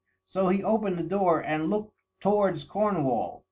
So he opened the door and looked towards Cornwall.